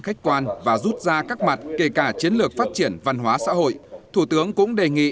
khách quan và rút ra các mặt kể cả chiến lược phát triển văn hóa xã hội thủ tướng cũng đề nghị